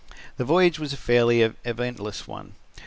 The voyage was a fairly eventless one.